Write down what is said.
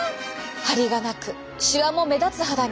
ハリがなくシワも目立つ肌に。